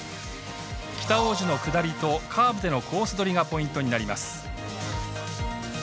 北大路の下りとカーブでのコースどりがポイントになります。